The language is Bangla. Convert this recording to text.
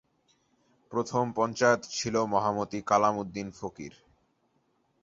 প্রথম পঞ্চায়েত ছিল মহামতি কালাম উদ্দিন ফকির।